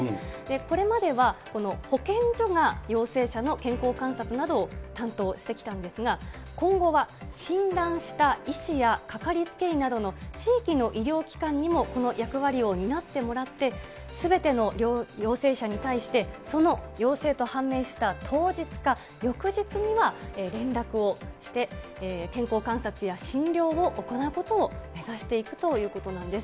これまでは保健所が陽性者の健康観察などを担当してきたんですが、今後は診断した医師やかかりつけ医などの地域の医療機関にもこの役割を担ってもらって、すべての陽性者に対して、その陽性と判明した当日か翌日には連絡をして、健康観察や診療を行うことを目指していくということなんです。